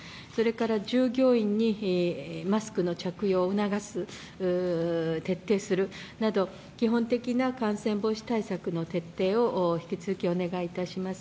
従業員にマスクの着用を促す、徹底するなど、基本的な感染防止対策徹底を引き続きお願いいたします。